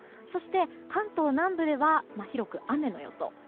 そして関東南部では広く雨の予想。